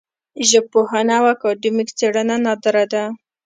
ژبپوهنه او اکاډمیک څېړنه نادره ده